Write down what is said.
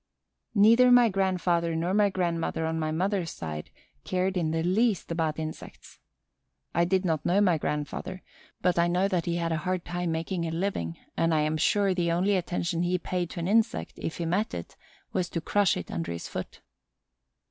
Neither my grandfather nor my grandmother on my mother's side cared in the least about insects. I did not know my grandfather, but I know that he had a hard time making a living, and I am sure the only attention he paid to an insect, if he met it, was to crush it under his foot.